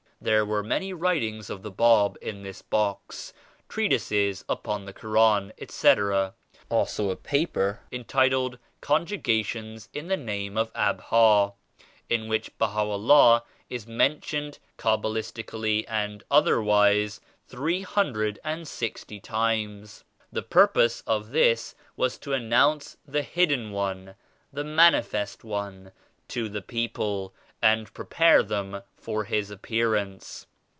There were many writings of the Bab in this box; treatises upon the Koran, etc. ; also a paper entitled ^Conjuga tions in the Name of Abha^ in which Baha'u' LLAH is mentioned cabalistically and otherwise three hundred and sixty times. The purpose of this was to announce the ^Hidden One,' the ^Manifest One' to the people and prepare them for His Appearance.